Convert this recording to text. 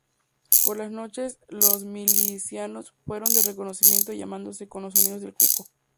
Por la noche los milicianos fueron de reconocimiento llamándose con los sonidos del cuco.